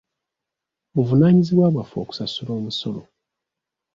Buvunaanyizibwa bwaffe okusasula omusolo.